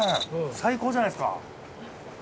最高じゃないですか。